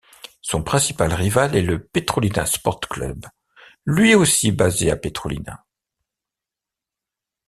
Son principal rival est le Petrolina Sport Club, lui aussi basé à Petrolina.